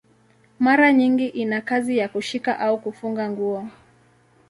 Mara nyingi ina kazi ya kushika au kufunga nguo.